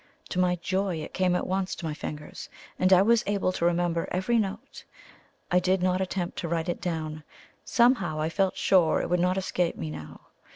To my joy it came at once to my fingers, and I was able to remember every note. I did not attempt to write it down somehow I felt sure it would not escape me now.